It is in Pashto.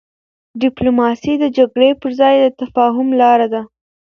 ډيپلوماسي د جګړي پر ځای د تفاهم لار ده.